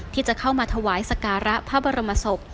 ที่จะเข้ามาถวายสการะพระบรมศพ